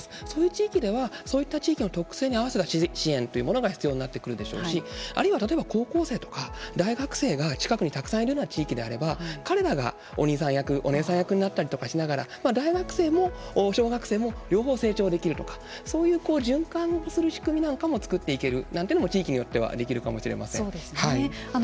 そういう地域ではそういった地域の特性に合わせた支援が必要になってくるでしょうしあるいは例えば高校生とか大学生が近くにたくさんいるような地域であれば彼らがお兄さん役お姉さん役になったりしながら大学生も小学生も両方成長できるとかそういう循環する仕組みなんかも作っていけるなんてのも地域によってはできるかもしれません。